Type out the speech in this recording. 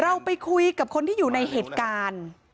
เราไปคุยกับคนที่อยู่ในเหตุการณ์